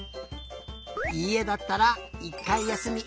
「いいえ」だったら１かいやすみ。